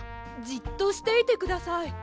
じっとしていてください。